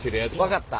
分かった。